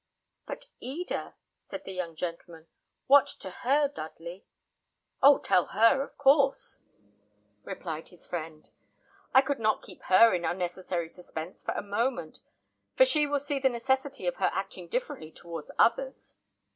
"But, Eda," said the young gentleman; "what to her, Dudley?" "Oh! tell her, of course," replied his friend. "I would not keep her in unnecessary suspense for a moment; and she will see the necessity of her acting differently towards others."